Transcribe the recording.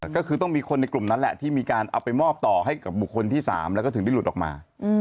ก็คือต้องมีคนในกลุ่มนั้นแหละที่มีการเอาไปมอบต่อให้กับบุคคลที่๓แล้วก็ถึงได้หลุดออกมา